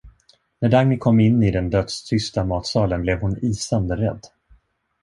När Dagny kom in i den dödstysta matsalen blev hon isande rädd.